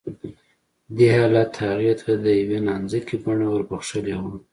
دې حالت هغې ته د يوې نانځکې بڼه وربښلې وه